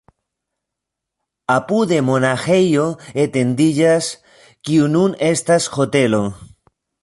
Apude monaĥejo etendiĝas, kiu nun estas hotelo.